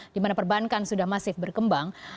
dimana perbankan sudah masih berkembang